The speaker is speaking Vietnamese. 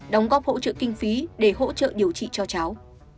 đóng góp hỗ trợ kinh phí để hỗ trợ điều trị cho cháu